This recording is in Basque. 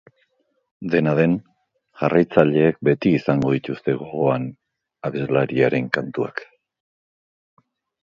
Dena den, jarraitzaileek beti izango dituzte gogoan abeslariaren kantuak.